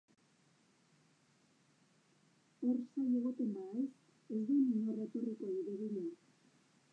Hor zai egoten bahaiz, ez dun inor etorriko hire bila!